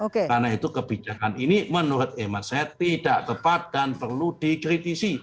karena itu kebijakan ini menurut mehemat saya tidak tepat dan perlu dikritisi